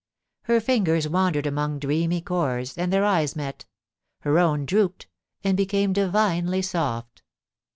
* Her fingers wandered among dreamy chords, and their eyes met ; her own drooped, and became divinely soft.